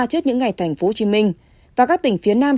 tình trạng này đã từng diễn ra trước những ngày tp hcm và các tỉnh phía nam